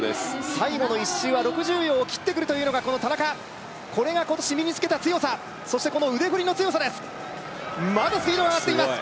最後の１周は６０秒を切ってくるというのがこの田中これが今年身につけた強さそしてこの腕振りの強さですまだスピードが上がっています